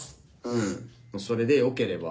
うんそれでよければ。